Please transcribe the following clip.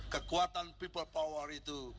kekuatan people power itu